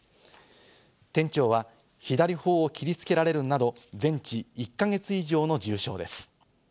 店長は左ほおを切りつけられるなど、全治１か月以上の重傷です。